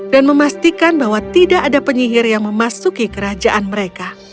dan memastikan bahwa tidak ada penyihir yang memasuki kerajaan mereka